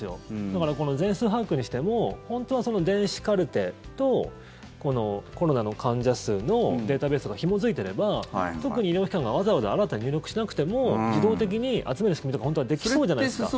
だから、この全数把握にしても本当は電子カルテとコロナの患者数のデータベースがひも付いていれば特に医療機関がわざわざ新たに入力しなくても自動的に集める仕組みとか本当はできそうじゃないですか。